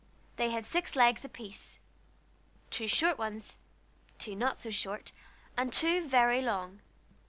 They had six legs apiece, two short ones, two not so short, and two very long.